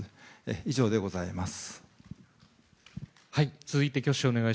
以上でございます。